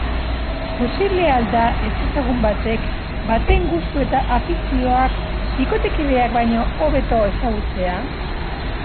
Posible al da ezezagun batek baten gustu eta afizioak bikotekideak baino hobeto ezagutzea?